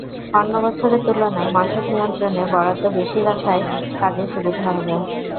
অন্য বছরের তুলনায় মশক নিয়ন্ত্রণে বরাদ্দ বেশি রাখায় কাজের সুবিধা হবে।